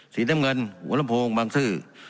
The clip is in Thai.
สีน้ำเงินหัวลำโพงบางซื่อ